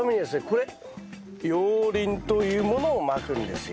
これ熔リンというものをまくんですよ。